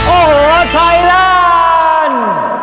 โอ้โหไทยแลนด์